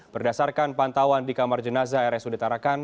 berdasarkan pantauan di kamar jenazah rs uditarakan